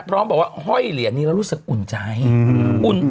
พร้อมบอกว่าห้อยเหรียร์นี้เรารู้สึกอุ่นใจอืม